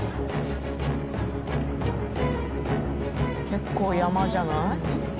結構山じゃない？